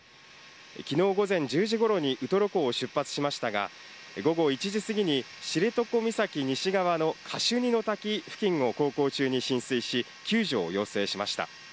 きのう午前１０時ごろにウトロ港を出発しましたが、午後１時過ぎに、知床岬西側のカシュニの滝付近を航行中に浸水し、救助を要請しました。